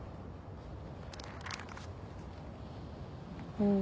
うん。